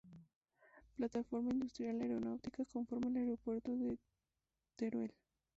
Plataforma industrial aeronáutica, conforma el Aeropuerto de Teruel.